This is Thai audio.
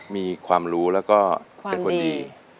มีความรู้แล้วก็เป็นคนดี